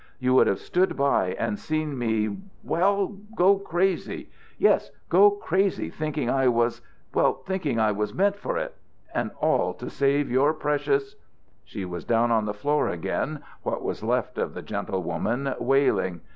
You would have stood by and seen me well go crazy! Yes, go crazy, thinking I was well, thinking I was meant for it! And all to save your precious " She was down on the floor again, what was left of the gentlewoman, wailing.